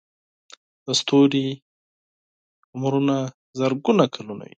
د ستوري عمرونه زرګونه کلونه وي.